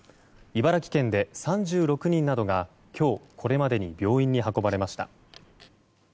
茨城県で３６人などが今日、これまでに病院に運ばれました。